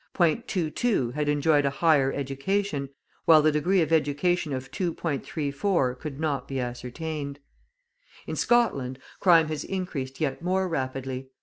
22 had enjoyed a higher education, while the degree of education of 2.34 could not be ascertained. In Scotland, crime has increased yet more rapidly.